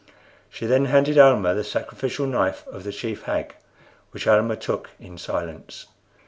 She then handed Almah the sacrificial knife of the Chief Hag, which Almah took in silence.